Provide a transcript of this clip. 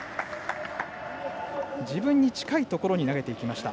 自分に近いところに投げていきました。